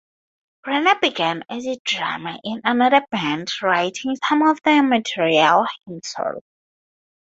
Greener began as a drummer in another band, writing some of their material himself.